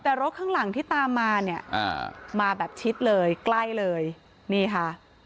แต่รถข้างหลังที่ตามมาเนี่ยมาแบบชิดเลยใกล้เลยนี่ค่ะ